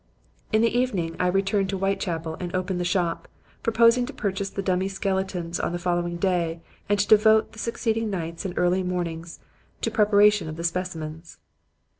In the evening I returned to Whitechapel and opened the shop, proposing to purchase the dummy skeletons on the following day and to devote the succeeding nights and early mornings to the preparation of the specimens.